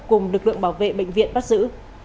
cùng lực lượng bảo vệ bệnh viện bắt giữ